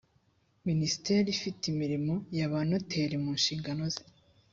minisiteri ifite imirimo y’abanoteri mu mu nshingano ze